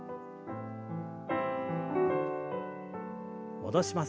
戻します。